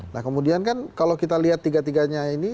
nah kemudian kan kalau kita lihat tiga tiganya ini